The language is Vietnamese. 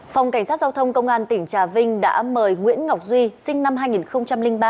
phòng cảnh sát giao thông công an tỉnh trà vinh đã mời nguyễn ngọc duy sinh năm hai nghìn ba